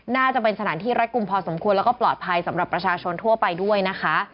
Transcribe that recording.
น่าจะเป็นสถานที่รัดกลุ่มพอสมควรแล้วก็ปลอดภัยสำหรับประชาชนทั่วไปด้วยนะคะ